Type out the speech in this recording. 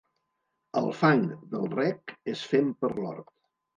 El fang del rec és fem per l'hort.